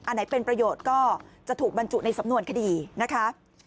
อันไหนเป็นประโยชน์ก็จะถูกบรรจุในสำนวนคดีนะคะ